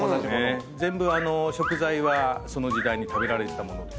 全部食材はその時代に食べられてた物です。